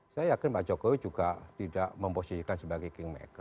saya yakin pak jokowi juga tidak memposisikan sebagai kingmaker